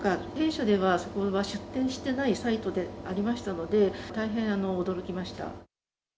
弊社では出店してないサイトでありましたので、大変驚きました。